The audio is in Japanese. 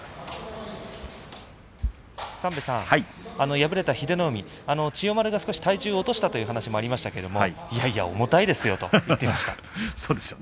敗れた英乃海は千代丸が少し体重を落としたという話がありましたがいやいや重たいですよと言っていました。